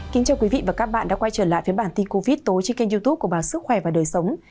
kính chào quý vị và các bạn đã quay trở lại với bản tin covid tối trên kênh youtube của báo sức khỏe và đời sống